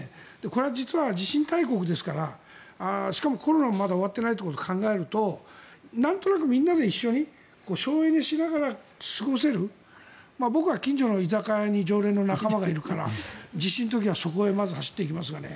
これは実は、地震大国ですからしかもコロナもまだ終わっていないということを考えるとなんとなくみんなで一緒に省エネしながら過ごせる僕は近所の居酒屋に常連の仲間がいるから地震の時はそこへまず走っていきますがね。